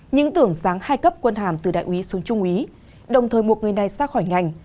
những tưởng sáng hai cấp quân hàm từ đại úy xuống trung úy đồng thời buộc người này ra khỏi ngành